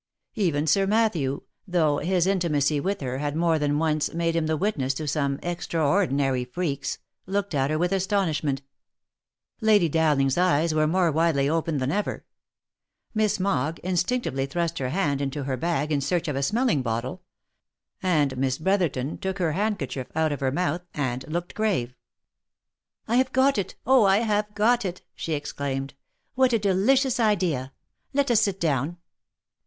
Even Sir Matthew, though his intimacy with her had more than once made him the witness to some extraor* dinary freaks, looked at her with astonishment ; Lady Dowling's eyes were more widely opened than ever ; Miss Mogg instinctively thrust her hand into her bag in search of a smelling bottle ; and Miss Brotherton took her handkerchief out of her mouth, and looked grave. " I have got it ! Oh, I have got it !" she exclaimed. " What a delicious idea !— Let us sit down